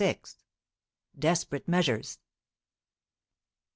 DESPERATE MEASURES.